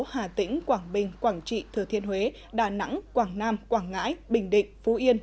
hà tĩnh quảng bình quảng trị thừa thiên huế đà nẵng quảng nam quảng ngãi bình định phú yên